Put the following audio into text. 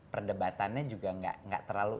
perdebatannya juga gak terlalu